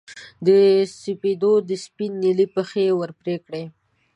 د سپېدو د سپین نیلي پښې یې ور پرې کړې